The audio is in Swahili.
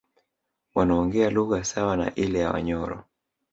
Wanaongea lugha sawa na ile ya Wanyoro